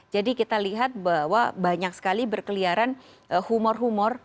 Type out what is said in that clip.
jadi kita lihat bahwa banyak sekali berkeliaran humor humor